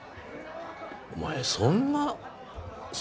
お前そんなそ